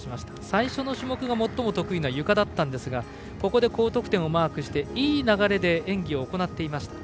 最初の種目がもっとも得意なゆかだったんですがここで高得点をマークしていい流れで演技を行いました。